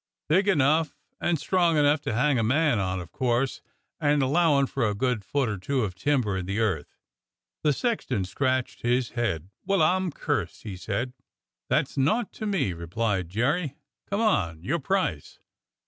"Big enough and strong enough to hang a man on, of course, and allowin' for a good foot or two of timber in the earth." The sexton scratched his head. " Well, I'm cursed !" he said. "That's nought to me," replied Jerry. "Come on! Your price?"